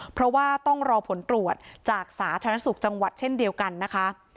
เพราะว่าต้องรอผลตรวจจากสาธารณสุขจังหวัดเช่นเดียวกันนะคะ